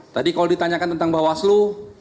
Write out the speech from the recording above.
tadi kalau ditanyakan tentang bawaslu